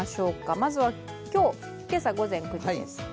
まずは今朝午前９時です。